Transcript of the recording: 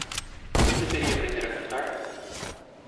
Eu deveria aprender a cantar?